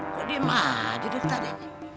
kok diem aja dong tadi